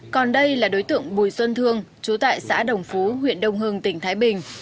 còn đây là đối tượng bùi xuân thương chú tại xã đồng phú huyện đông hưng tỉnh thái bình